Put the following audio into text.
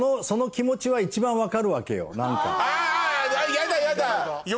やだやだ！